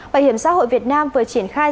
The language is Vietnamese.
bảo hiểm xã hội việt nam vừa triển khai